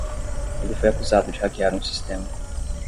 Ele foi acusado de hackear um sistema.